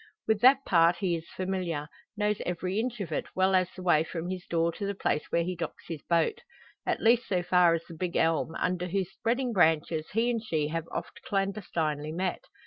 With that part he is familiar knows every inch of it, well as the way from his door to the place where he docks his boat at least so far as the big elm, under whose spreading branches he and she have oft clandestinely met.